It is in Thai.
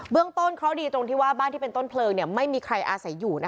เรื่องต้นเคราะห์ดีตรงที่ว่าบ้านที่เป็นต้นเพลิงไม่มีใครอาศัยอยู่